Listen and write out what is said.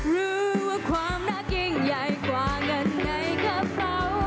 รู้ว่าความรักยิ่งใหญ่กว่าเงินไหนก็เท่า